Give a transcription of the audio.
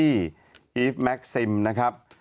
อีฟแม็กซิมนะครับ